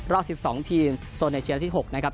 รอบ๑๒ทีมโซนเอเชียที่๖นะครับ